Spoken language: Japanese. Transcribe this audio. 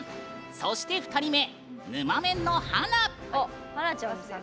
そして、２人目ぬまメンの華。